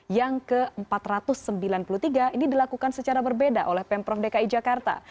yang ke empat ratus sembilan puluh tiga ini dilakukan secara berbeda oleh pemprov dki jakarta